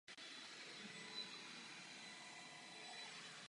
Tato ocenění a jeho skvělé výkony mu vynesly smlouvu s New Jersey Devils.